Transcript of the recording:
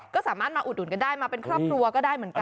ก็สามารถมาอุดหนุนกันได้มาเป็นครอบครัวก็ได้เหมือนกัน